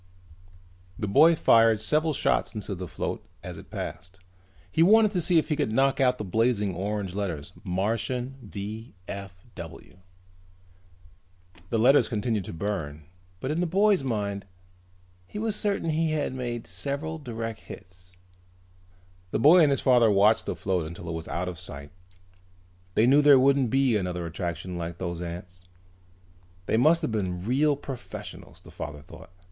The boy fired several shots into the float as it passed. He wanted to see if he could knock out those blazing orange letters: MARTIAN V.F.W. The letters continued to burn, but in the boy's mind he was certain he had made several direct hits. The boy and his father watched the float until it was out of sight. They knew there wouldn't be another attraction like those ants. They must have been real professionals, the father thought.